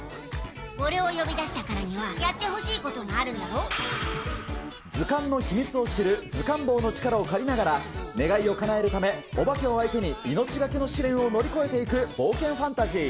俺を呼び出したからには、図鑑の秘密を知る図鑑坊の力を借りながら、願いをかなえるため、おばけを相手に命懸けの試練を乗り越えていく冒険ファンタジー。